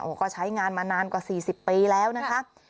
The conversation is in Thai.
ก็ใช้งานมานานกว่า๔๐ปีแล้วนะคะ